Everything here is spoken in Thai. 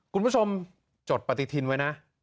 คุณผู้ชมจดปฏิทินไว้นะ